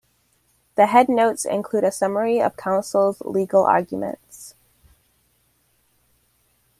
The headnotes include a summary of counsel's legal arguments.